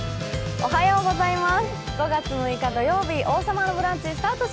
おはようございます！